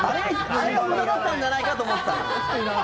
あれが無駄だったんじゃないかと思った。